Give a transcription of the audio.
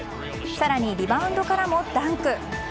更にリバウンドからもダンク。